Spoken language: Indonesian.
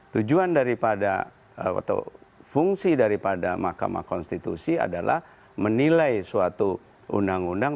tujuan daripada atau fungsi daripada mahkamah konstitusi adalah menilai suatu undang undang